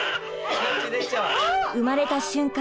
産まれた瞬間